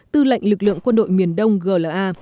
tư lệnh lực lượng quân đội miền đông gla